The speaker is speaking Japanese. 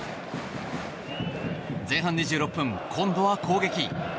前半２６分、今度は攻撃。